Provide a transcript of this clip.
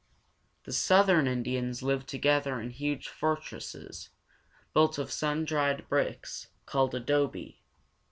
The southern Indians lived together in huge fortresses, built of sun dried bricks, called adobe.